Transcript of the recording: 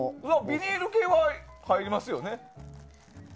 ビニール系は入りますよね。